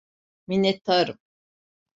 Minnettarım.